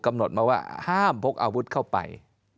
กำหนดมาว่าห้ามพกอาวุธเข้าไป